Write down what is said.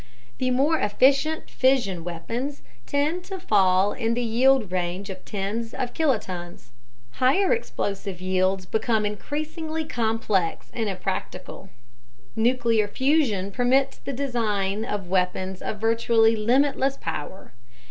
The more efficient fission weapons tend to fall in the yield range of tens of kilotons. Higher explosive yields become increasingly complex and impractical. Nuclear fusion permits the design of weapons of virtually limitless power.